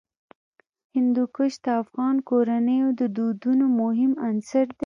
هندوکش د افغان کورنیو د دودونو مهم عنصر دی.